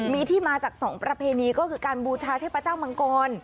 มีที่มาจากสองประเพณีก็คือการบูชาเทพเจ้ามังกร